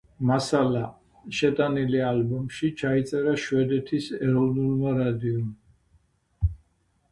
მასალა, შეტანილი ალბომში, ჩაიწერა შვედეთის ეროვნულმა რადიომ.